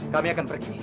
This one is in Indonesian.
kami akan pergi